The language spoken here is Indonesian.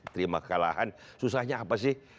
terima kekalahan susahnya apa sih